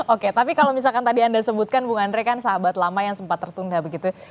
oke tapi kalau misalkan tadi anda sebutkan bung andre kan sahabat lama yang sempat tertunda begitu